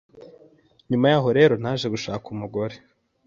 nyuma yaho rero naje gushaka umugore